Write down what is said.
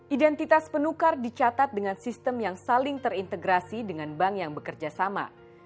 identitas penukar dicatat dengan sistem yang saling terintegrasi dengan bank yang bekerja sama